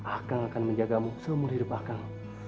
akang akan menjagamu seluruh hidup akang